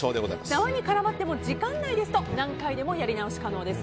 縄に絡まっても時間ないですと何回でもやり直し可能です。